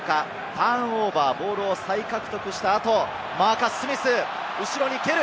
ターンオーバー、ボールを再獲得した後、マーカス・スミス、後ろに蹴る！